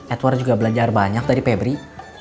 edward juga belajar banyak dari febri